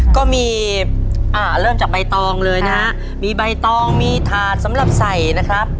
ก็มีอ่าเริ่มจากใบตองเลยนะฮะมีใบตองมีถาดสำหรับใส่นะครับ